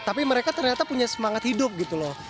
tapi mereka ternyata punya semangat hidup gitu loh